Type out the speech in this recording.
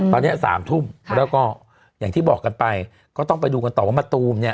ตอนนี้สามทุ่มแล้วก็อย่างที่บอกกันไปก็ต้องไปดูกันต่อว่ามะตูมเนี่ย